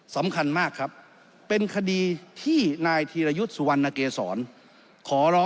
สำคัญมากครับเป็นคดีที่นายธีรยุทธ์สุวรรณเกษรขอร้อง